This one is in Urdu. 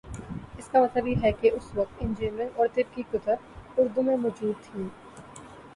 اس کا مطلب یہ ہے کہ اس وقت انجینئرنگ اور طب کی کتب اردو میں مو جود تھیں۔